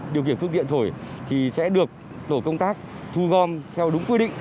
điều kiển phương tiện thổi thì sẽ được tổ công tác thu gom theo đúng quy định